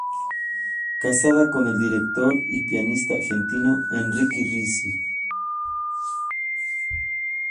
Casada con el director y pianista argentino Enrique Ricci